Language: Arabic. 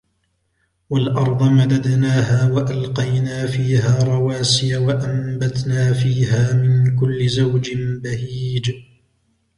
وَالْأَرْضَ مَدَدْنَاهَا وَأَلْقَيْنَا فِيهَا رَوَاسِيَ وَأَنْبَتْنَا فِيهَا مِنْ كُلِّ زَوْجٍ بَهِيجٍ